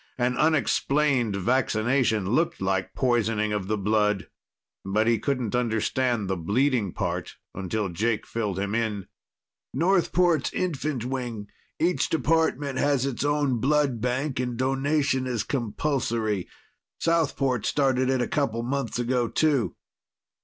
An unexplained vaccination looked like poisoning of the blood. But he couldn't understand the bleeding part until Jake filled him in. "Northport infant's wing. Each department has its own blood bank and donation is compulsory. Southport started it a couple months ago, too."